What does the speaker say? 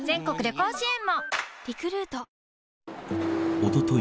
おととい